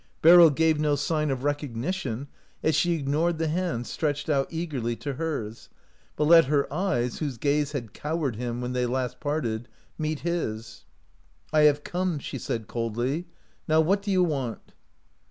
Beryl gave no sign of recognition as she ignored the hands stretched out eagerly to hers, but let her eyes, whose gaze had cowered him when they last parted, meet his. " I have come," she said, coldly. " Now what do you want